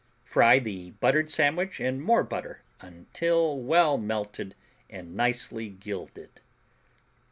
Fry the buttered sandwich in more butter until well melted and nicely gilded.